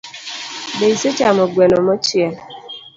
Be isechamo gweno mochiel?